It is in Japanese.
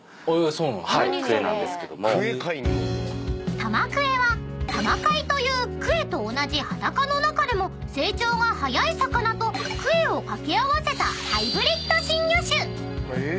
［タマクエはタマカイというクエと同じハタ科の中でも成長が早い魚とクエを掛け合わせたハイブリッド新魚種］